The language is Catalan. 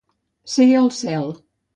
Ser al cel.